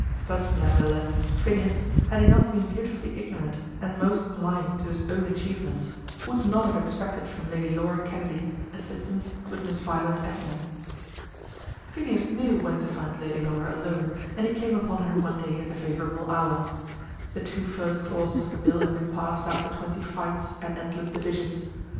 But, nevertheless, Phineas, had he not been beautifully ignorant and most blind to his own achievements, would not have expected from Lady Laura Kennedy assistance with Miss Violet Effingham. Phineas knew when to find Lady Laura alone, and he came upon her one day at the favourable hour. The two first clauses of the bill had been passed after twenty fights and endless divisions.